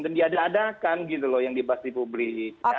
dan diadakan gitu loh yang dibahas di publik